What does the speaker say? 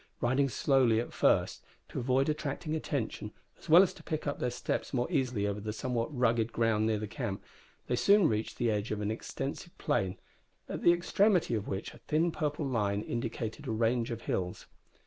Riding slowly at first, to avoid attracting attention as well as to pick their steps more easily over the somewhat rugged ground near the camp, they soon reached the edge of an extensive plain, at the extremity of which a thin purple line indicated a range of hills.